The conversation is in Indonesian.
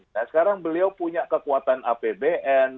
nah sekarang beliau punya kekuatan apbn